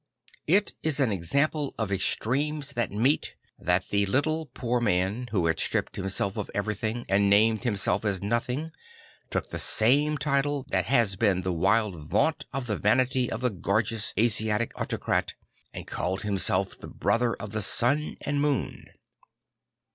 It is an example of extremes that meet, that the Little Poor 1an, who had stripped himself of everything and named himself as nothing, took the same title that has been the wild vaunt of the vanity of the gorgeous Asiatic autocrat, and called himself the Brother of the Sun and Ioon.